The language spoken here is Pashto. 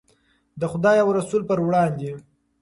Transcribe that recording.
د خدای او رسول په وړاندې.